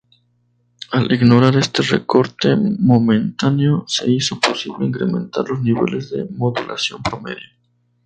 Al ignorar este recorte momentáneo, se hizo posible incrementar los niveles de modulación promedio.